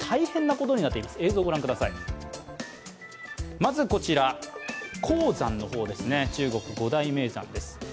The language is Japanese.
まずこちら、衡山の方ですね、中国５大名山です。